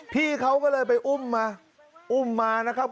พี่เขาก็เลยไปอุ้มมาอุ้มมานะครับ